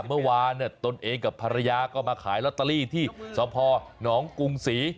เมื่อวานตนเองกับภรรยาก็มาขายลอตเตอรี่ที่สพหนองกรุงศรี